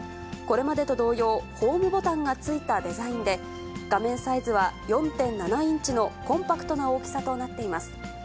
これまでと同様、ホームボタンがついたデザインで、画面サイズは４．７インチのコンパクトな大きさとなっています。